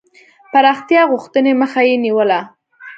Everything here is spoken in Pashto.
پراختیا غوښتني مخه یې نیوله.